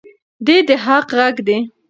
دی د حق غږ دی.